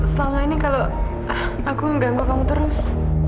selama ini kalau aku mengganggu kamu terus